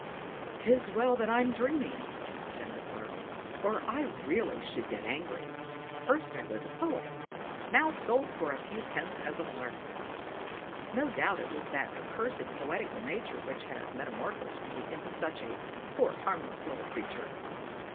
"'Tis well that I'm dreaming," said the clerk, "or I really should get angry. First I was a poet; now sold for a few pence as a lark; no doubt it was that accursed poetical nature which has metamorphosed me into such a poor harmless little creature.